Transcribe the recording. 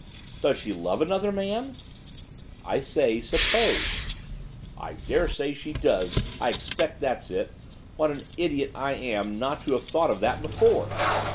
'Does she love another man?' 'I say, suppose.' 'I dare say she does. I expect that's it. What an idiot I am not to have thought of that before.